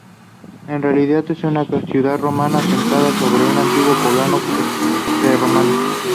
En realidad, es una ciudad romana asentada sobre un antiguo poblado prerromano.